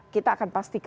kita akan pastikan